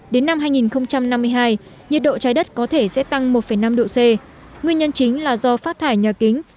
đến năm hai nghìn năm mươi hai nhiệt độ trái đất có thể sẽ tăng một năm độ c nguyên nhân chính là do phát thải nhà kính